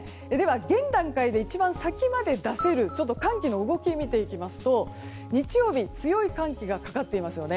現段階で一番先まで出せる寒気の動き辺りを見ていきますと日曜日、強い寒気がかかっていますよね。